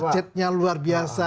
macetnya luar biasa